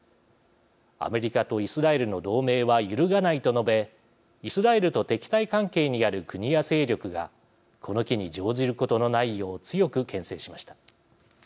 アメリカとイスラエルの同盟は揺るがないと述べイスラエルと敵対関係にある国や勢力がこの機に乗じることのないよう強くけん制しました。